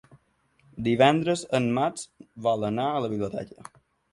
Divendres en Max vol anar a la biblioteca.